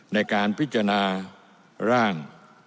ในการพิจารณาร่าง